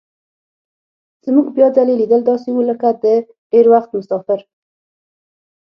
زموږ بیا ځلي لیدل داسې وو لکه د ډېر وخت مسافر.